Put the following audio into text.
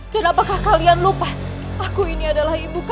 tidak mungkin raih kenteri manik